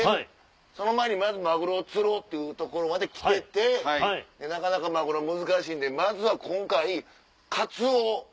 その前にまずマグロを釣ろうというところまで来ててなかなかマグロ難しいんでまずは今回カツオを。